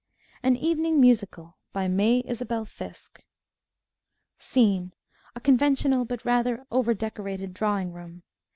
AN EVENING MUSICALE BY MAY ISABEL FISK Scene _A conventional, but rather over decorated, drawing room.